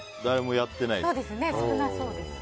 少なそうですね。